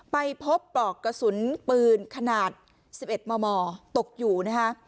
ไปพบปลอกกระสุนปืนขนาด๑๑มมตกอยู่นะคะ